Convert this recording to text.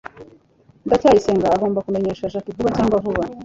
ndacyayisenga agomba kumenyesha jaki vuba cyangwa vuba